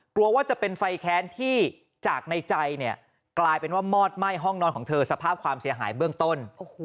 กลัวว่าจะเป็นไฟแค้นที่จากในใจเนี่ยกลายเป็นว่ามอดไหม้ห้องนอนของเธอสภาพความเสียหายเบื้องต้น